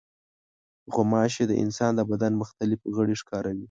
غوماشې د انسان د بدن مختلف غړي ښکاروي.